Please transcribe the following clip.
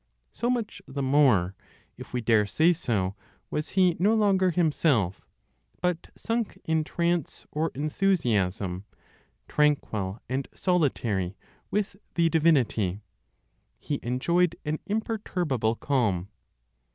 So much the more, if we dare say so, was he no longer himself, but sunk in trance or enthusiasm, tranquil and solitary with the divinity, he enjoyed an the calm.